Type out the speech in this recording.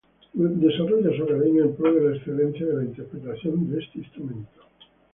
Desarrolla su academia en pro de la excelencia de la interpretación de este instrumento.